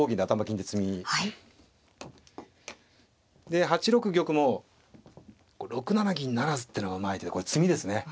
で８六玉も６七銀不成ってのがうまい手でこれ詰みですね。